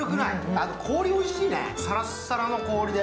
あと、氷、おいしいね、さらっさらの氷で。